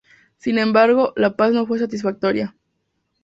Sin embargo, la paz no fue satisfactoria.